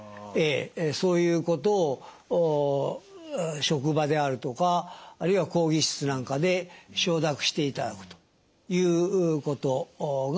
そういうことを職場であるとかあるいは講義室なんかで承諾していただくということが必要であると思います。